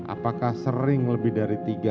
apakah sering lebih dari tiga